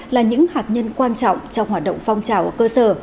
là những hạt nhân quan trọng trong hoạt động phong trào ở cơ sở